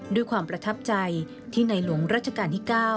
ด้วยความประทับใจที่ในหลวงรัชกาลที่๙